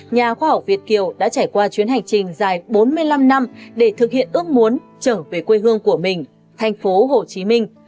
nhà khoa học việt kiều đã trải qua chuyến hành trình dài bốn mươi năm năm để thực hiện ước muốn trở về quê hương của mình thành phố hồ chí minh